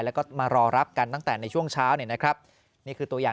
แล้วก็มารอรับกันตั้งแต่ในช่วงเช้าเนี่ยนะครับนี่คือตัวอย่าง